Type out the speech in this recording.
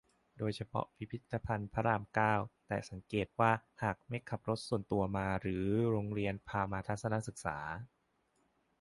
โดยเฉพาะพิพิธภัณฑ์พระราม เก้า แต่สังเกตว่าหากไม่ขับรถส่วนตัวมา หรือ โรงเรียนพามาทัศนศึกษา